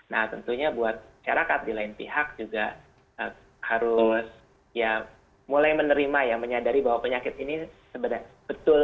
nah tentunya buat syarakat di lain pihak juga harus ya mulai menerima ya menyadari bahwa penyakit ini sebenarnya betul